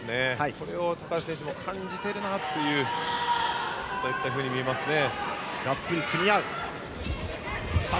これを高橋選手も感じているなというふうに見えますね。